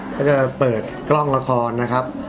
ก็จะเปิดกล้องละครนะครับ